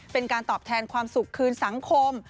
เป็นการตอบแทนความสุขคืนสังคม